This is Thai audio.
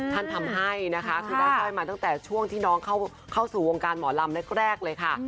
ทำให้นะคะคือได้สร้อยมาตั้งแต่ช่วงที่น้องเข้าสู่วงการหมอลำแรกเลยค่ะ